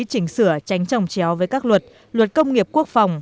chỉnh sửa tránh trồng chéo với các luật luật công nghiệp quốc phòng